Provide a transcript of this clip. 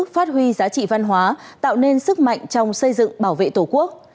phát huy giá trị văn hóa tạo nên sức mạnh trong xây dựng bảo vệ tổ quốc